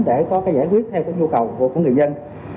để có giải quyết theo nhu cầu của người dân